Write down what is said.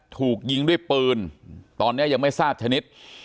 ถูกยิงด้วยปืนตอนนี้ยังไม่ทราบชนิด